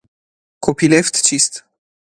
کپی لفت چیست؟